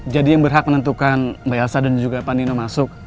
jadi yang berhak menentukan mbak elsa dan juga pak nino masuk